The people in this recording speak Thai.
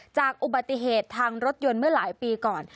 จากอุบัติเหตุทางรถยนต์เมื่อหลายปีก่อน